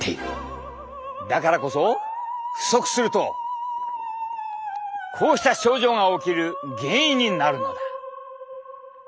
だからこそ！不足するとこうした症状が起きる原因になるのだ！